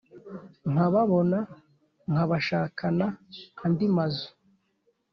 nkababona nkabashakana andi mazu,